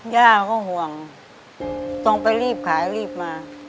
ย่าก็ห่วงต้องไปรีบขายรีบมา